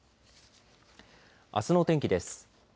あすの天気です。